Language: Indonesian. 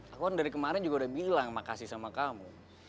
aku kan dari kemarin juga udah bilang makasih sama kamu